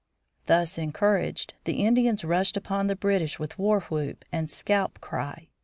Thus encouraged the Indians rushed upon the British with war whoop and scalp cry.